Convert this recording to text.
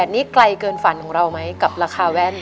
นี่ไกลเกินฝันของเราไหมกับราคาแว่น